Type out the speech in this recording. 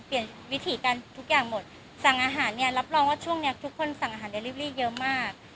วิถีกันทุกอย่างหมดสั่งอาหารเนี่ยรับรองว่าช่วงเนี้ยทุกคนสั่งอาหารเดลิบรี่เยอะมาก